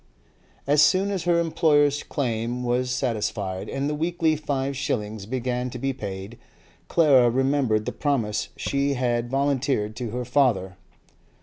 As soon as her employer's claim was satisfied, and the weekly five shillings began to be paid, Clara remembered the promise she had volunteered to her father.